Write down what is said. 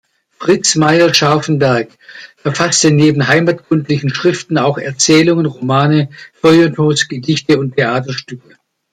Fritz Meyer-Scharffenberg verfasste neben heimatkundlichen Schriften auch Erzählungen, Romane, Feuilletons, Gedichte und Theaterstücke.